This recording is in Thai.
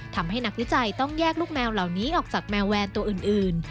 ทำให้นักวิจัยต้องแยกลูกแมวเหล่านี้ออกจากแมวแวนตัวอื่น